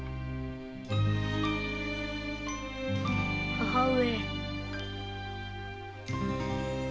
母上。